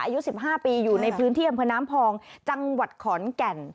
อายุ๑๕ปีอยู่ในพื้นที่อำเภอน้ำพองจังหวัดขอนแก่น